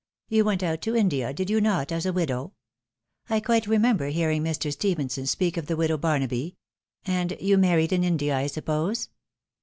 You went out to India, did you not, as a widow ? I quite remember hearing Mr. Stephenson speak of the widow Barnaby ; and you married in India, I suppose